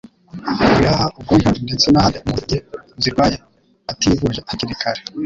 ibihaha, ubwonko ndetse n'ahandi mu mubiri igihe uzirwaye ativuje hakiri kare.